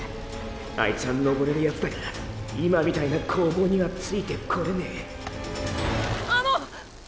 あいつは登れるヤツだが今みたいな攻防にはついてこれねえあの！